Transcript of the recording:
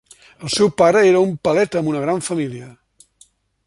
El seu pare era un paleta amb una gran família.